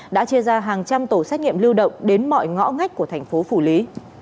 đã chia ra hàng trăm tổ xét nghiệm lưu động đến mọi ngõ ngách của thành phố phủ lý